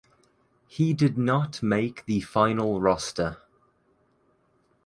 He did not make the final roster.